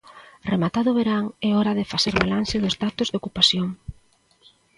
Rematado o verán, é hora de facer balance dos datos de ocupación.